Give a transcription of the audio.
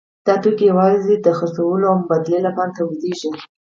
دا توکي یوازې د پلورلو او مبادلې لپاره تولیدېږي